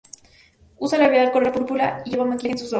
Usa labial color púrpura, y lleva maquillaje en sus ojos.